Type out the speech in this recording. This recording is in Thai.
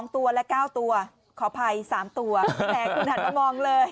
๒ตัวและ๙ตัวขออภัย๓ตัวแหมคุณหันมามองเลย